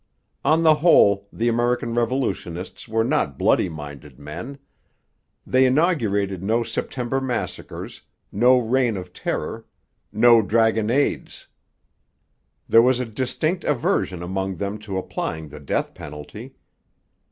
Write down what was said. On the whole the American revolutionists were not bloody minded men; they inaugurated no September Massacres, no Reign of Terror, no dragonnades. There was a distinct aversion among them to applying the death penalty.